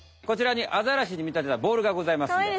こちらにアザラシに見たてたボールがございます。